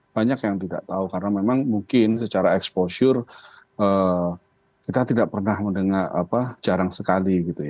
banyak yang tidak tahu karena memang mungkin secara exposure kita tidak pernah mendengar jarang sekali